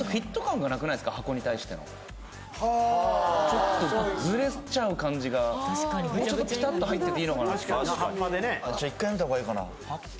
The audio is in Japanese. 箱に対してのはあちょっとズレちゃう感じがもうちょっとピタッと入ってていいのかなとじゃ１回やめた方がええかな